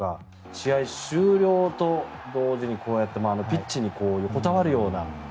試合終了と同時にこうやってピッチに横たわるような。